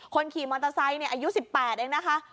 คนขี่มอเตอร์ไซค์อายุ๑๘เองนะคะ